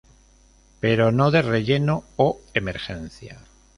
Pero no de relleno o emergencia.